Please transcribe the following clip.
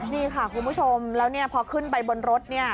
นี่ค่ะคุณผู้ชมแล้วเนี่ยพอขึ้นไปบนรถเนี่ย